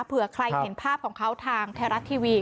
เผื่อใครเห็นภาพของเขาทางไทยรัฐทีวี